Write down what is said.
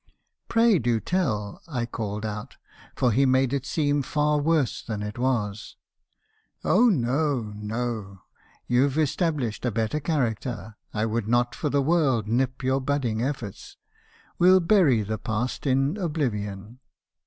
" 'Pray do tell/ I called out; for he made it seem far worse than it was. " 'Oh no , no ; you 've established a better character — I would not for the world nip your budding efforts. We '11 bury the past in oblivion.'